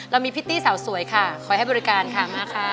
เรามีพิตตี้สาวสวยค่ะคอยให้บริการค่ะมาค่ะ